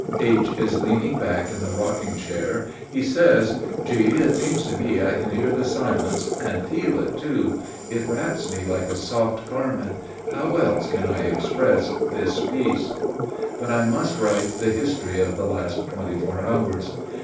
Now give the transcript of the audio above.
H. is leaning back in the rocking chair; he says: "G., it seems to me I can hear the silence, and feel it, too. It wraps me like a soft garment; how else can I express this peace?" But I must write the history of the last twenty four hours.